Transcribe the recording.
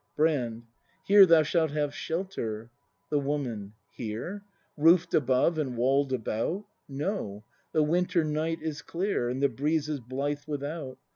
Brand. Here thou shalt have shelter. The Woman. Here ! Roof'd above and wall'd about? No! The winter night is clear. And the breezes blithe without.